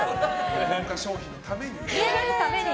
豪華賞品のために。